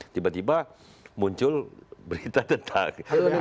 tiba tiba muncul berita tentang